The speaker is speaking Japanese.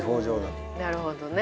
なるほどね。